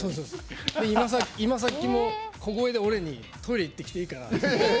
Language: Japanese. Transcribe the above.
今さっきも小声で俺に「トイレ行ってきていいか」って。